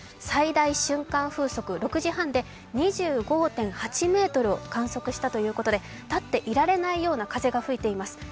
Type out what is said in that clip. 最大瞬間風速、６時半で２５．８メートルを観測したということで立っていられないような風が吹いています。